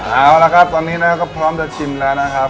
เอาละครับตอนนี้นะครับก็พร้อมจะชิมแล้วนะครับ